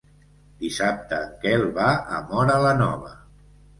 Dissabte en Quel va a Móra la Nova.